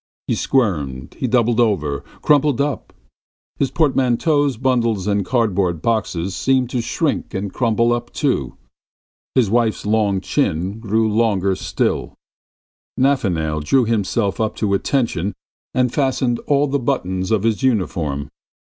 He squirmed, he doubled together, crumpled up. ... His portmanteaus, bundles and cardboard boxes seemed to shrink and crumple up too. ... His wife's long chin grew longer still; Nafanail drew himself up to attention and fastened all the buttons of his uniform.